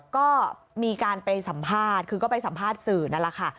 ก็มีการไปสัมภาษณ์คือก็ไปสัมภาษณ์สื่อนั่นแหละค่ะ